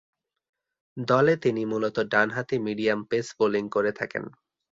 দলে তিনি মূলতঃ ডানহাতে মিডিয়াম পেস বোলিং করে থাকেন।